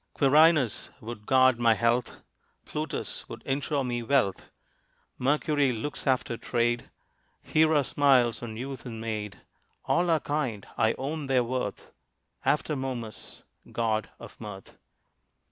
Quirinus would guard my health! Plutus would insure me wealth Mercury looks after trade, Hera smiles on youth and maid. All are kind, I own their worth, After Momus, god of mirth.